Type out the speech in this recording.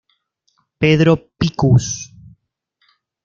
Pedro Picus.